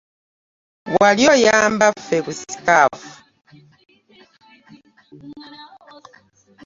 Wali oyambaffe ku sikaafu?